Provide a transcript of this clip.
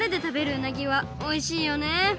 うなぎはおいしいよね。